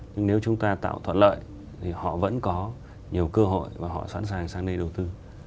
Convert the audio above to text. nhưng nếu chúng ta tạo thuận lợi thì họ vẫn có nhiều cơ hội và họ sẵn sàng sang đây đầu tư